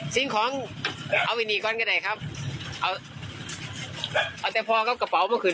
สิ่งของเอาไปหนีก่อนก็ได้ครับเอาเอาแต่พอเอากระเป๋ามาคืน